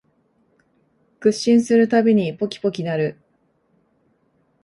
屈伸するたびにポキポキ鳴る